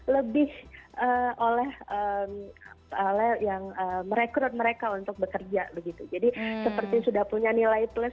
lebih oleh oleh yang merekrut mereka untuk bekerja begitu jadi seperti sudah punya nilai plus